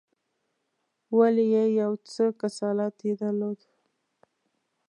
ویل یې یو څه کسالت یې درلود.